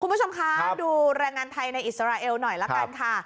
คุณผู้ชมคะดูแรงงานไทยในอิสราเอลหน่อยละกันค่ะ